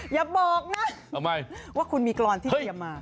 อย่าบอกนะว่าคุณมีกรอนที่เตรียมมา